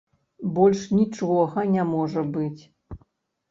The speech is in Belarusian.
Больш нічога не можа быць.